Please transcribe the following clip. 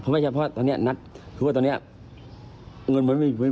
เพราะไม่ใช่เพราะว่าตอนเนี้ยนัดคือว่าตอนเนี้ยเงินมันไม่มี